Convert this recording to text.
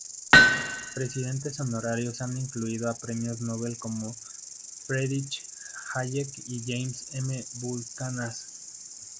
Presidentes honorarios han incluido a premios Nóbel como Friedrich Hayek y James M. Buchanan.